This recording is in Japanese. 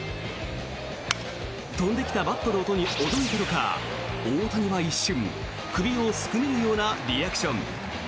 飛んできたバットの音に驚いたのか大谷は一瞬、首をすくめるようなリアクション。